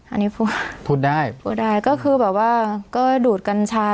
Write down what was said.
อันนี้พูดพูดได้พูดได้ก็คือแบบว่าก็ดูดกัญชา